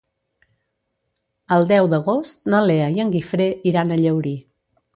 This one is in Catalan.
El deu d'agost na Lea i en Guifré iran a Llaurí.